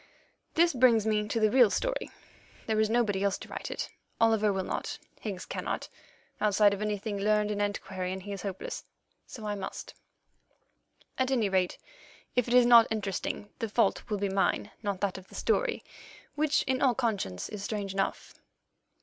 This brings me to the real story. There is nobody else to write it; Oliver will not; Higgs cannot (outside of anything learned and antiquarian, he is hopeless); so I must. At any rate, if it is not interesting, the fault will be mine, not that of the story, which in all conscience is strange enough.